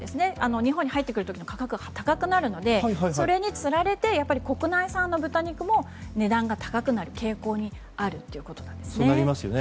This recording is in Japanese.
日本に入ってくる時の価格が高くなるのでそれにつられて国内産の豚肉も値段が高くなる傾向にあるということなんですね。